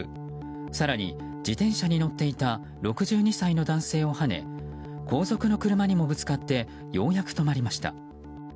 更に、自転車に乗っていた６２歳の男性をはね後続の車にもぶつかってようやく止まりました。